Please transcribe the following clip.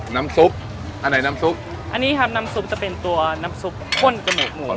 น้ำซุปอันไหนน้ำซุปอันนี้ครับน้ำซุปจะเป็นตัวน้ำซุปข้นจมูกหมด